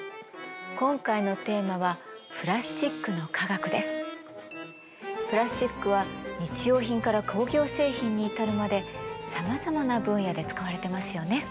今回のテーマはプラスチックは日用品から工業製品に至るまでさまざまな分野で使われてますよね。